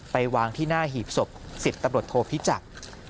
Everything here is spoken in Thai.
ไปวางที่หน้าหีบศพ๑๐ตำรวจโทพิจักร